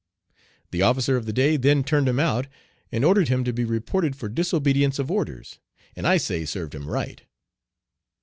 The officer of the day then turned him out, and ordered him to be reported for disobedience of orders, and I say served him right."